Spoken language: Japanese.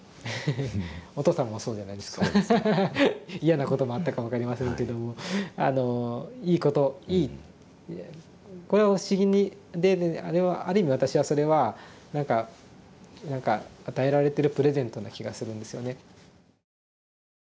嫌なこともあったか分かりませんけどもあのいいこといいこれは不思議である意味私はそれは何か何か与えられてるプレゼントな気がするんですよね。